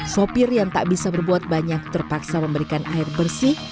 sopir yang tak bisa berbuat banyak terpaksa memberikan air bersih